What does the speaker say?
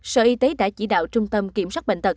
sở y tế đã chỉ đạo trung tâm kiểm soát bệnh tật